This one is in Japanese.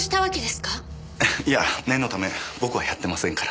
いや念のため僕はやってませんから。